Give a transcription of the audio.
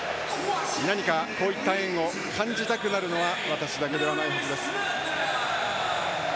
何か、こういった縁を感じたくなるのは私だけではないはずです。